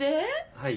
はい。